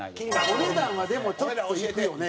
お値段はでもちょっといくよね